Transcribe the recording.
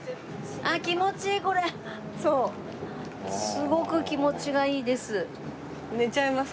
すごく気持ちがいいです。